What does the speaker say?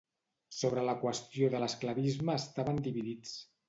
Sobre la qüestió de l'esclavisme estaven dividits.